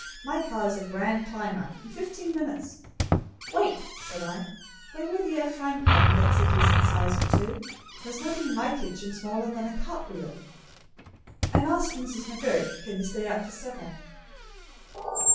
"My car is a grand climber. In fifteen minutes " "Wait!" said I. "Bring with ye a frying pan that's a decent size for two. There's nothing in my kitchen smaller than a cart wheel. And ask Mrs. McGurk can ye stay out for supper."